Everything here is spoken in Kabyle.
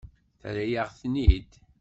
Terra-yaɣ-ten-id.